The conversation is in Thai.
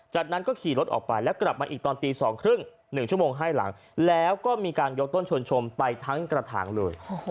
จากนั้นก็ขี่รถออกไปแล้วกลับมาอีกตอนตี๒๓๐๑ชั่วโมงให้หลังแล้วก็มีการยกต้นชวนชมไปทั้งกระถางเลย